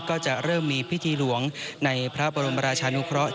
ก็จะเริ่มมีพิธีหลวงในพระบรมราชานุเคราะห์